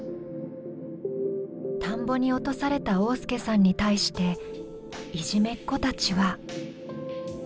田んぼに落とされた旺亮さんに対していじめっ子たちは？